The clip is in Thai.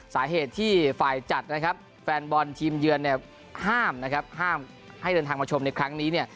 สาเหตุที่ฝ่ายจัดนะครับแฟนบอลทีมเยือนห้ามให้เดินทางมาชมในครั้งนี้